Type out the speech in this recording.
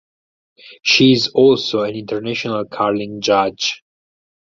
She is also an international curling judge.